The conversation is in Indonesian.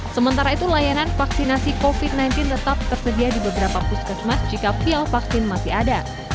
sementara itu layanan vaksinasi covid sembilan belas tetap tersedia di beberapa puskesmas jika vial vaksin masih ada